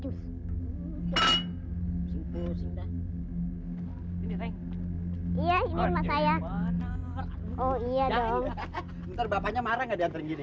busur busur ini ini iya ini rumah saya oh iya dong ntar bapaknya marah nggak diantar gini